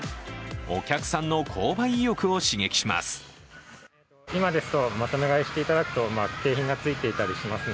お客さんの購買意欲を刺激します。